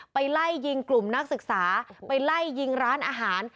ไล่ยิงกลุ่มนักศึกษาไปไล่ยิงร้านอาหาร